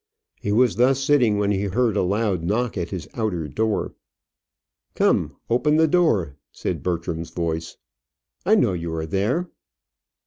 He was thus sitting when he heard a loud knock at his outer door. "Come; open the door," said Bertram's voice, "I know you are there."